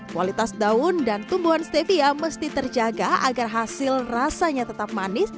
kualitas daun dan tumbuhan stevia mesti terjaga agar hasil rasanya tetap manis